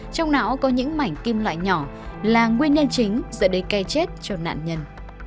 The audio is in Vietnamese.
trong não có những mảnh kim loại nhỏ là nguyên nhân chính dẫn đến cây chết cho nạn nhân